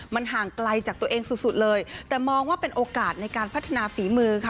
มันห่างไกลจากตัวเองสุดสุดเลยแต่มองว่าเป็นโอกาสในการพัฒนาฝีมือค่ะ